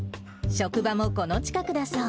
職場もこの近くだそう。